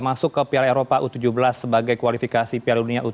masuk ke piala eropa u tujuh belas sebagai kualifikasi piala dunia u tujuh belas